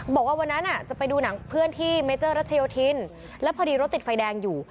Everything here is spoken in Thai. บอกว่าวันนั้นจะไปดูหนังเพื่อนที่เมเจอร์รัชโยธินแล้วพอดีรถติดไฟแดงอยู่